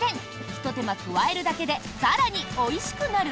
ひと手間加えるだけで更においしくなる？